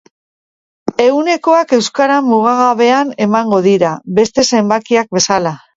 Ehunekoak euskaran mugagabean emango dira, beste zenbakiak bezala.